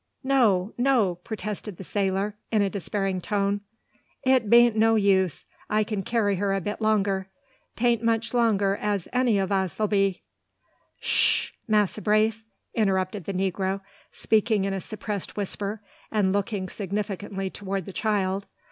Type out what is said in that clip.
"No, no!" protested the sailor, in a despairing tone. "It bean't no use. I can carry her a bit longer. 'Tain't much longer as any o' us 'll be " "Sh! Massa Brace," interrupted the negro, speaking in a suppressed whisper, and looking significantly towards the child.